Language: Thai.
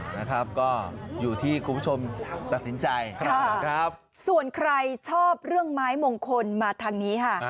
นะครับก็อยู่ที่คุณผู้ชมตัดสินใจครับส่วนใครชอบเรื่องไม้มงคลมาทางนี้ค่ะ